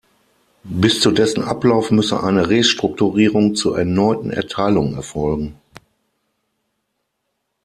Bis zu dessen Ablauf müsse eine Restrukturierung zur erneuten Erteilung erfolgen.